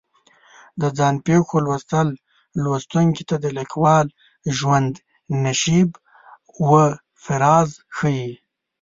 د ځان پېښو لوستل لوستونکي ته د لیکوال د ژوند نشیب و فراز ښیي.